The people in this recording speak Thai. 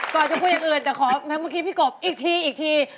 ก่อนจะคุยอย่างอื่นแต่ขอให้พี่กบอีกที